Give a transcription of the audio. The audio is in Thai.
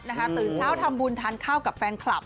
ตื่นเช้าทำบุญทานข้าวกับแฟนคลับ